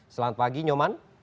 selamat pagi nyoman